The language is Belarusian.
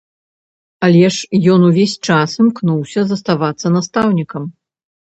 Але ж ён увесь час імкнуўся заставацца настаўнікам.